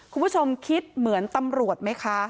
คุณผู้ชมคิดเหมือนตำรวจไหมคะ